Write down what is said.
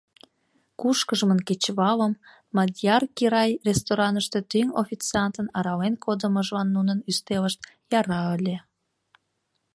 Кушкыжмын кечывалым «Мадьяр Кирай» рестораныште тӱҥ официантын арален кодымыжлан нунын ӱстелышт яра ыле.